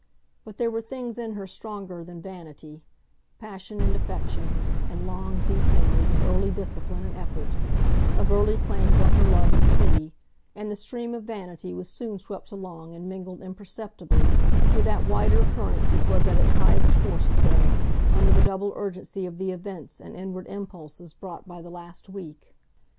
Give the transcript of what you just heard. But there were things in her stronger than vanity,—passion and affection, and long, deep memories of early discipline and effort, of early claims on her love and pity; and the stream of vanity was soon swept along and mingled imperceptibly with that wider current which was at its highest force today, under the double urgency of the events and inward impulses brought by the last week.